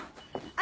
あ！